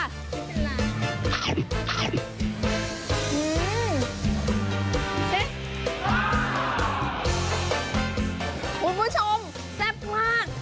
คุณผู้ชมแซ่บมาก